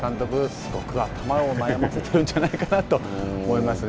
すごく頭を悩ませているんじゃないかなと思いますね。